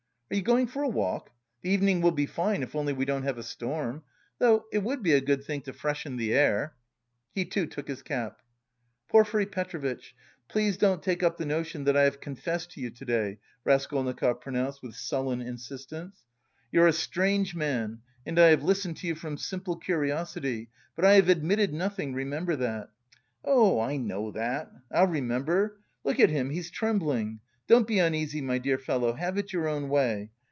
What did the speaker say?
"Are you going for a walk? The evening will be fine, if only we don't have a storm. Though it would be a good thing to freshen the air." He, too, took his cap. "Porfiry Petrovitch, please don't take up the notion that I have confessed to you to day," Raskolnikov pronounced with sullen insistence. "You're a strange man and I have listened to you from simple curiosity. But I have admitted nothing, remember that!" "Oh, I know that, I'll remember. Look at him, he's trembling! Don't be uneasy, my dear fellow, have it your own way.